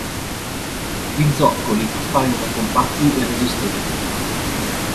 Gli zoccoli appaiono compatti e resistenti.